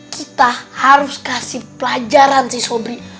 kita harus kasih pelajaran si sobri